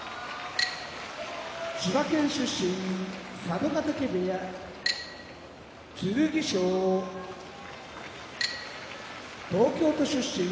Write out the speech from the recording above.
千葉県出身佐渡ヶ嶽部屋剣翔東京都出身